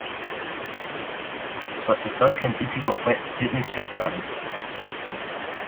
Su asesor científico fue Sydney Chapman.